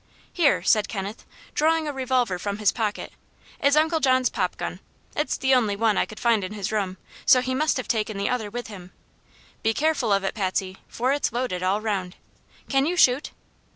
"Here," said Kenneth, drawing a revolver from his pocket, "is Uncle John's pop gun. It's the only one I could find in his room, so he must have taken the other with him. Be careful of it, Patsy, for it's loaded all 'round. Can you shoot?"